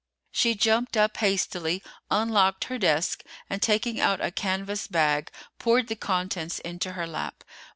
She jumped up hastily, unlocked her desk, and taking out a canvas bag, poured the contents into her lap.